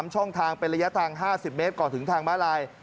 ช่องทางเป็นระยะทาง๕๐เมตรก่อนถึงทางม้าลาย